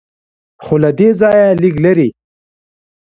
خو له دې ځایه لږ لرې.